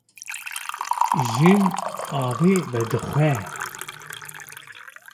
Jin avê vedixwe.